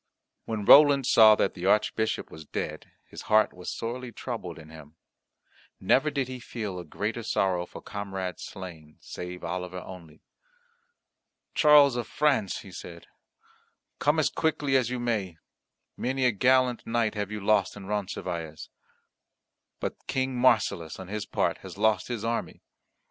When Roland saw that the Archbishop was dead, his heart was sorely troubled in him. Never did he feel a greater sorrow for comrade slain, save Oliver only. "Charles of France," he said, "come as quickly as you may, many a gallant knight have you lost in Roncesvalles. But King Marsilas, on his part, has lost his army.